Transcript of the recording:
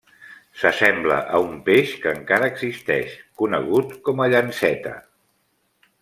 S'assembla a un peix que encara existeix, conegut com a llanceta.